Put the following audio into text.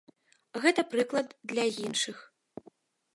Гэта прыклад для іншых.